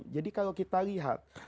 jadi kalau kita lihat